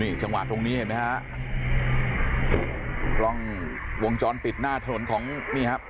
นี่จังหวะตรงนี้เห็นมั้ยฮะกล้องวงจรปิดหน้าถนนของนี่ฮะ